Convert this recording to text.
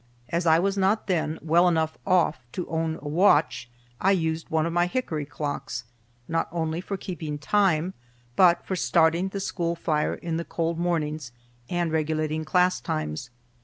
As I was not then well enough off to own a watch, I used one of my hickory clocks, not only for keeping time, but for starting the school fire in the cold mornings, and regulating class times.